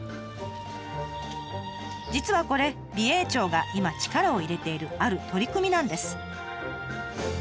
実はこれ美瑛町が今力を入れているある取り組みなんです。